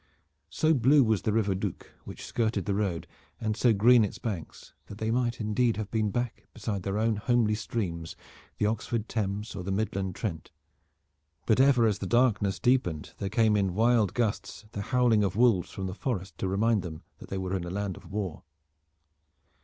So blue was the river Duc which skirted the road, and so green its banks, that they might indeed have been back beside their own homely streams, the Oxford Thames or the Midland Trent, but ever as the darkness deepened there came in wild gusts the howling of wolves from the forest to remind them that they were in a land of war.